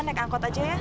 naik angkot aja ya